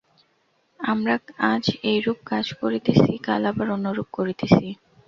আমরা আজ এইরূপ কাজ করিতেছি, কাল আবার অন্যরূপ করিতেছি।